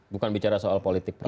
bukan bicara soal politik saja